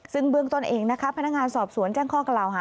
ซึ่งเบื้องต้นเองนะคะพนักงานสอบสวนแจ้งข้อกล่าวหา